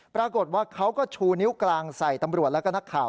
ปรากฏว่าเขาก็ชูนิ้วกลางใส่ตำรวจแล้วก็นักข่าว